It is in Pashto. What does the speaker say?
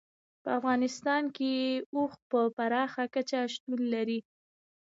په افغانستان کې اوښ په پراخه کچه شتون لري.